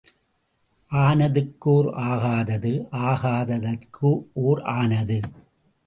ஆனதுக்கு ஓர் ஆகாதது ஆகாததற்கு ஓர் ஆனது.